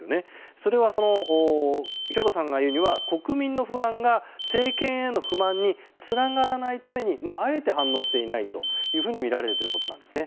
それは兵頭さんが言うには国民の不安が政権への不満につながらないためにあえて反応していないというふうにみられるということなんです。